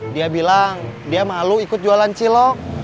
dia bilang dia malu ikut jualan cilok